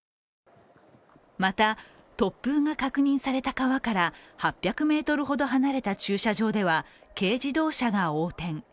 また、突風が確認された川から８００ｍほど離れた駐車場では軽自動車が横転。